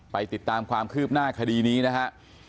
ติดตามความคืบหน้าคดีนี้นะฮะ